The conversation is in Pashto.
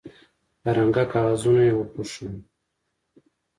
په رنګه کاغذونو یې وپوښوئ.